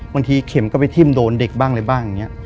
บางทีเข็มก็ไปทิ้มโดนเด็กบ้างเลยบ้างอย่างนี้